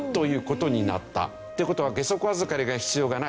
という事は下足預かりが必要がない。